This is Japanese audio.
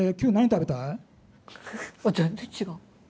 全然違う。